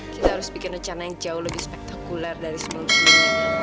kita harus bikin rencana yang jauh lebih spektakuler dari sebelumnya